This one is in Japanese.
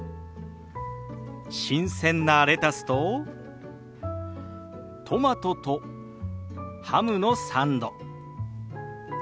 新鮮なレタスとトマトとハムのサンド。